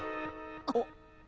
あっ。